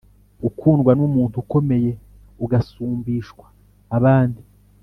Gukundwa n’umuntu ukomeye ugasumbishwa abandi